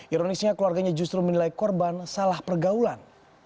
ironisnya keluarganya justru menilai korban salah pergaulan